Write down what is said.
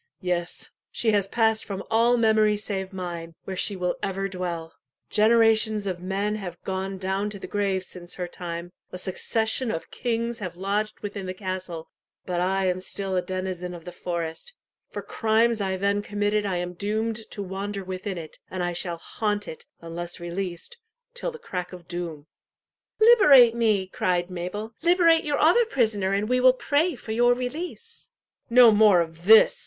yes, she has passed from all memory save mine, where she will ever dwell. Generations of men have gone down to the grave since her time a succession of kings have lodged within the castle but I am still a denizen of the forest. For crimes I then committed I am doomed to wander within it, and I shall haunt it, unless released, till the crack of doom." "Liberate me!" cried Mabel; "liberate your other prisoner and we will pray for your release." "No more of this!"